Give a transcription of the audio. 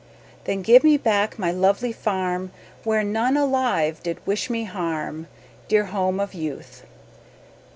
Then give me back my lonely farm Where none alive did wish me harm Dear home of youth!